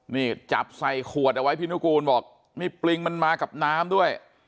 นี่จับใส่ขวดเอาไว้พี่นุกูลบอกนี่ปริงมันมากับน้ำด้วย